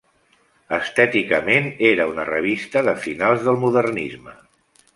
Estèticament, era una revista de finals del modernisme.